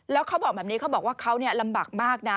แล้วเขาบอกแบบนี้เขาบอกว่าเขาลำบากมากนะ